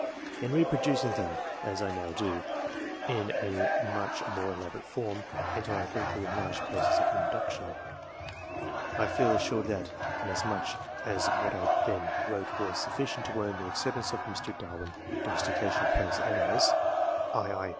In reproducing them, as I now do, in a much more elaborate form, and on a greatly enlarged basis of induction, I feel assured that, inasmuch as what I then wrote was sufficient to earn the acceptance of Mr. Darwin ("Domestication of Plants and Animals," ii.